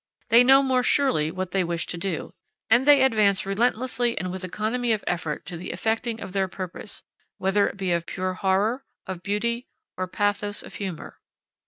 They know more surely what they wish to do, and they advance relentlessly and with economy of effort to the effecting of their purpose, whether it be of pure horror, of beauty, or pathos of humor.